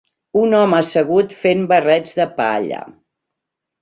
Un home assegut fen barrets de palla.